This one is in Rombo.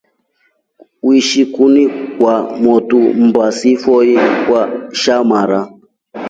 Uishile kunu kwa motu mbaa silifoe sha mara.